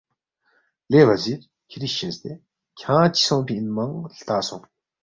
لے وزیر کھری شزدے کھیانگ چِہ سونگفی انمنگ ہلتا سونگ